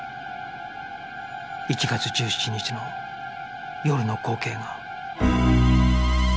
１月１７日の夜の光景が